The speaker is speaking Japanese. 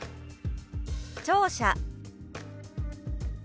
「聴者」。